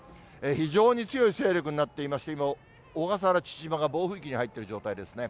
非常に強い勢力になっていまして、今、小笠原・父島が暴風域に入っている状態ですね。